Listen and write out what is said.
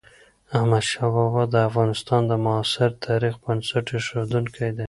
احمدشاه بابا د افغانستان د معاصر تاريخ بنسټ اېښودونکی دی.